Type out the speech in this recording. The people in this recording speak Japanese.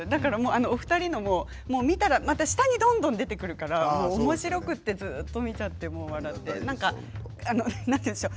お二人のも見たら下にどんどん出てくるからおもしろくてずっと見ちゃって笑ってなんて言うんでしょう